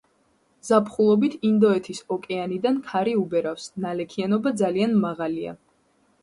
ზაფხულობით ინდოეთის ოკეანიდან ქარი უბერავს, ნალექიანობა ძალიან მაღალია.